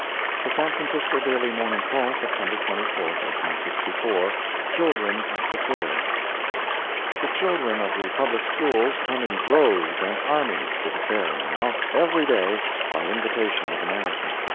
The San Francisco Daily Morning Call, September 24, 1864 CHILDREN AT THE FAIR The children of the Public Schools come in droves and armies to the Fair now, every day, by invitation of the management.